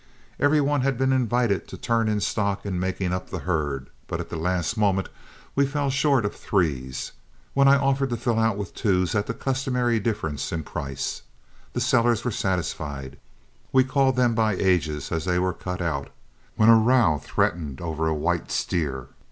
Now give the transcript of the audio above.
Every one had been invited to turn in stock in making up the herd, but at the last moment we fell short of threes, when I offered to fill out with twos at the customary difference in price. The sellers were satisfied. We called them by ages as they were cut out, when a row threatened over a white steer.